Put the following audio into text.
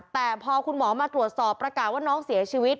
แต่พอคุณหมอมาตรวจสอบประกาศว่าน้องเสียชีวิต